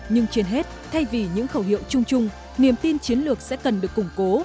nhưng trên hết thay vì những khẩu hiệu chung chung niềm tin chiến lược sẽ cần được củng cố